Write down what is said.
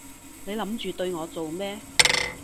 你諗住對我做咩？